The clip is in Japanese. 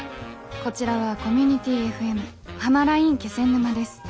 こちらはコミュニティＦＭ「はまらいん気仙沼」です。